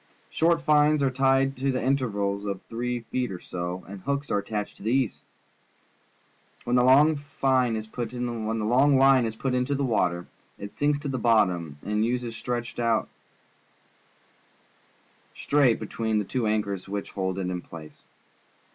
Short fines are tied to it at intervals of three feet or so, and hooks are attached to these. TMien the long fine is put into the water, it sinks to the bottom and Ues stretched out straight between the two anchors which hold it in place.